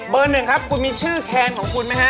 หนึ่งครับคุณมีชื่อแคนของคุณไหมฮะ